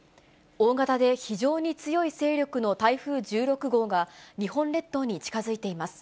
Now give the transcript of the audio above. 大型で非常に強い勢力の台風１６号が、日本列島に近づいています。